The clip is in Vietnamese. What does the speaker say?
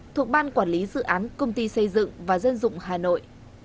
thuộc ban quản lý dự án công ty xây dựng và dân dụng hà nội